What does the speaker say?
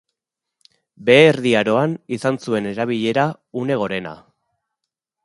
Behe Erdi Aroan izan zuen erabilera une gorena.